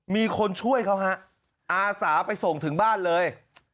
มีคนช่วยเขาฮะอาสาไปส่งถึงบ้านเลย